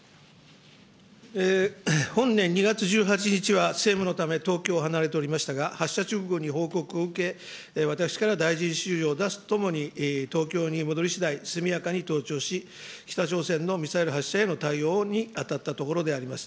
本年２月１８日は、政務のため東京を離れておりましたが、発射直後に報告を受け、私から大臣指示を出すとともに、東京に戻りしだい、速やかに登庁し、北朝鮮のミサイル発射への対応に当たったところであります。